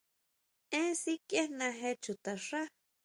¿Èn sikiejna jé chuta xá?